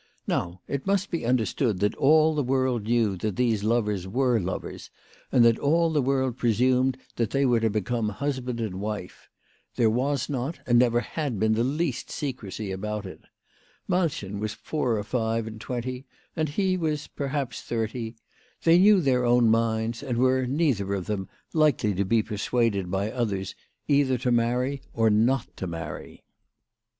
Now it must be understood that all the world knew that these lovers were lovers, and that all the world presumed that they were to become husband and wife. There was not and never had been the least secrecy about it. Malchen was four or five and twenty, and he was perhaps thirty. They knew their own minds, and were, neither of them, likely to be persuaded by others either to marry or not to marry.